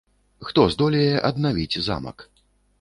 Хто здолее аднавіць замак?